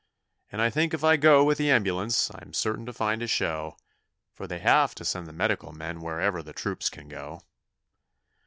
And I think if I go with the ambulance I'm certain to find a show, For they have to send the Medical men wherever the troops can go.